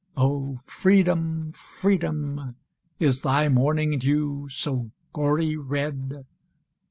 O, Freedom! Freedom! is thy morning dew So gory red?